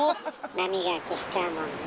波が消しちゃうもんね。